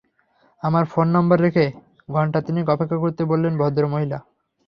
আমার phone number রেখে ঘণ্টা তিনেক অপেক্ষা করতে বললেন ভদ্র মহিলা।